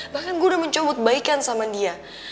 bahkan gue udah mencobotbaikan sama dia